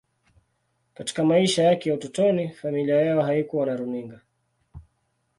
Katika maisha yake ya utotoni, familia yao haikuwa na runinga.